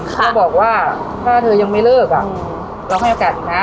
ค่ะเขาบอกว่าถ้าเธอยังไม่เลิกอ่ะอืมเราให้โอกาสนะ